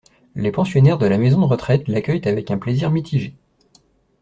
Les pensionnaires de la maison de retraite l’accueillent avec un plaisir mitigé.